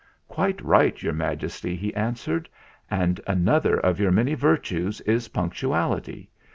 "Quite right, Your Majesty," he answered; "and another of your many virtues is punc tuality.